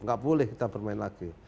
nggak boleh kita bermain lagi